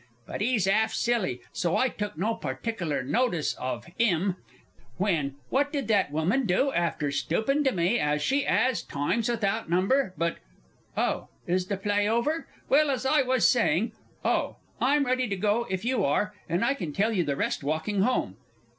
but he's 'alf silly, so I took no partickler notice of 'im, when, what did that woman do, after stoopin' to me, as she 'as, times without number but Oh, is the play over? Well, as I was saying oh, I'm ready to go if you are, and I can tell you the rest walking home.